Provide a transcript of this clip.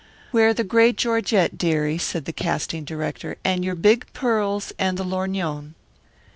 "Wear the gray georgette, dearie," said the casting director, "and your big pearls and the lorgnon."